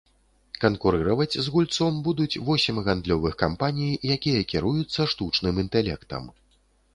Канкурыраваць з гульцом будуць восем гандлёвых кампаній, якія кіруюцца штучным інтэлектам.